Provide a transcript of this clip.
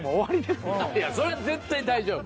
それは絶対大丈夫。